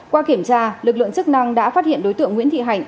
qua kiểm tra lực lượng chức năng đã phát hiện đối tượng nguyễn thị hạnh